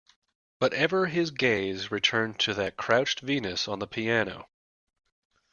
But ever his gaze returned to that Crouched Venus on the piano.